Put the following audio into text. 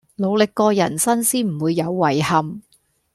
努力過人生先唔會有遺憾